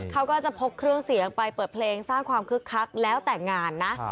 เขาก็จะพกเครื่องเสียงไปเปิดเพลงสร้างความคึกคักแล้วแต่งงานนะ